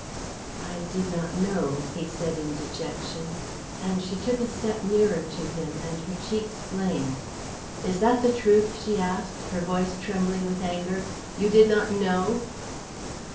"I did not know," he said in dejection, and she took a step nearer to him, and her cheeks flamed. "Is that the truth?" she asked, her voice trembling with anger. "You did not know?"